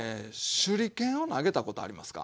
手裏剣を投げたことありますか？